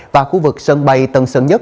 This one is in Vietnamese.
và khu vực sân bay tân sơn nhất